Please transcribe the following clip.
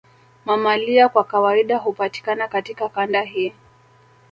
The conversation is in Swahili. Mamalia kwa kawaida hupatikana katika kanda hii